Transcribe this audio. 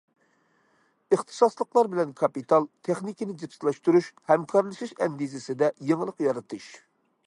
ئىختىساسلىقلار بىلەن كاپىتال، تېخنىكىنى جىپسىلاشتۇرۇش، ھەمكارلىشىش ئەندىزىسىدە يېڭىلىق يارىتىش.